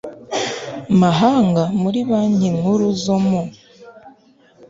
mahanga muri banki nkuru zo mu